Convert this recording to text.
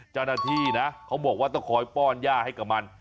เจ้าหน้าที่นะเขาบอกว่าต้องคอยป้อนย่าให้กับมัน